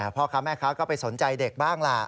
พ่อค้าแม่ค้าก็ไปสนใจเด็กบ้างล่ะ